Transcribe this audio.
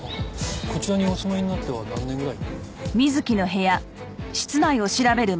こちらにお住まいになって何年ぐらい？